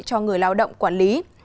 cho người lao động quản lý